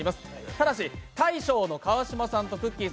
ただし、大将の川島さんとくっきー！